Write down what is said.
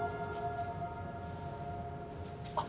・あっ！